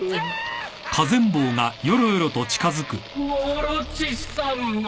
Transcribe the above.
オロチさま。